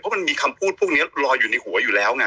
มันมีคำพูดพวกนี้ลอยอยู่ในหัวอยู่แล้วไง